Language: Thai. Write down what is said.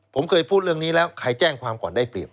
ผมเคยพูดเรื่องนี้แล้วใครแจ้งความก่อนได้เปรียบ